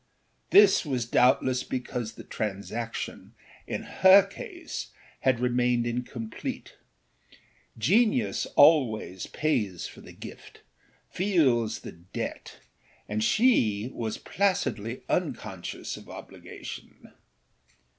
This was doubtless because the transaction, in her case, had remained incomplete; genius always pays for the gift, feels the debt, and she was placidly unconscious of obligation.